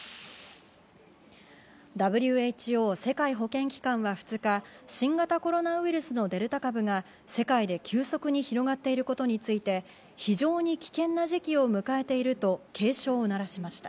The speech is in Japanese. ＷＨＯ＝世界保健機関は２日、新型コロナウイルスのデルタ株が世界で急速に広がっていることについて、非常に危険な時期を迎えていると警鐘を鳴らしました。